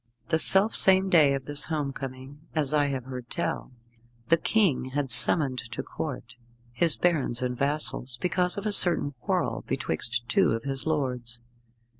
The self same day of this home coming as I have heard tell the King had summoned to Court his barons and vassals because of a certain quarrel betwixt two of his lords.